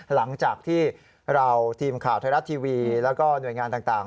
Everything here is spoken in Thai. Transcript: หลังจากที่เราทีมข่าวไทยรัฐทีวีแล้วก็หน่วยงานต่าง